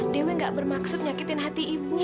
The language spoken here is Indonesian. dewi gak bermaksud nyakitin hati ibu